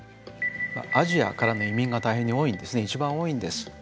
アジアからの移民が大変に多いんですね一番多いんです。